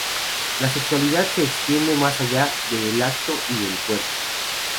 La sexualidad se extiende más allá del acto y del cuerpo.